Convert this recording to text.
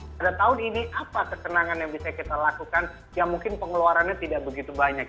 pada tahun ini apa kesenangan yang bisa kita lakukan yang mungkin pengeluarannya tidak begitu banyak